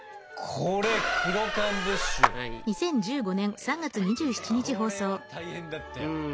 これは大変だったよ。